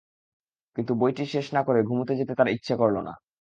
কিন্তু বইটি শেষ না-করে ঘুমুতে যেতে তাঁর ইচ্ছা করল না।